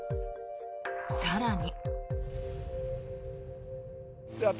更に。